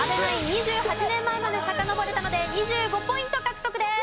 ２８年前までさかのぼれたので２５ポイント獲得です。